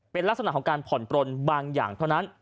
เป็นลักษณะของการผ่อนปลนบางอย่างเท่านั้น